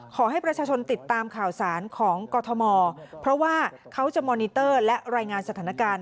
ขอให้ประชาชนติดตามข่าวสารของกรทมเพราะว่าเขาจะมอนิเตอร์และรายงานสถานการณ์